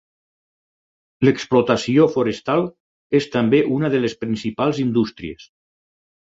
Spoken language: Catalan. L'explotació forestal és també una de les principals indústries.